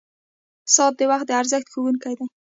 • ساعت د وخت د ارزښت ښوونکی دی.